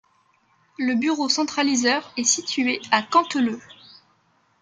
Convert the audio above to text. Le bureau centralisateur est situé à Canteleu.